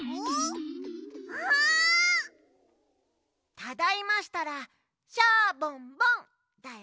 ただいましたら「シャボンボン」だよ。